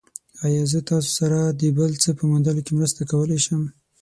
ایا زه تاسو سره د بل څه په موندلو کې مرسته کولی شم؟